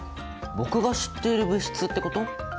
僕が知っている物質ってこと？